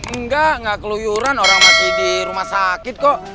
enggak enggak keluyuran orang masih di rumah sakit kok